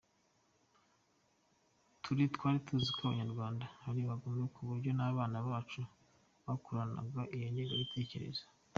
Twari tuzi ko Abanyarwanda ari abagome, ku buryo n’abana bacu bakuranaga iyo ngengabitekerezo.